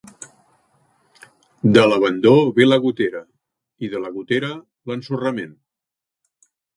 De l'abandó ve la gotera, i de la gotera, l'ensorrament.